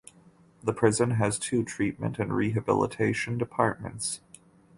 The prison has two treatment and rehabilitation departments.